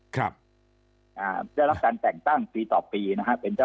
ครับอ่าได้รับการแจ่งตั้งปีต่อปีนะฮะ